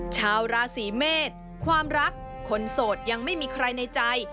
ชาวราศีเมษความรักคนโสดยังไม่มีใครในใจ